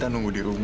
aku tunggu telfon